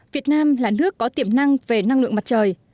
việt nam là nước có tiềm năng về năng lượng mặt trời